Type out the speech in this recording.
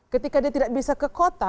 ketika dia tidak bisa ke kota